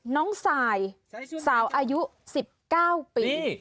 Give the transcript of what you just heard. น้องสายสาวอายุ๑๙ปี